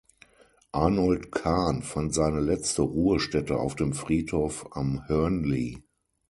Arnold Cahn fand seine letzte Ruhestätte auf dem Friedhof am Hörnli.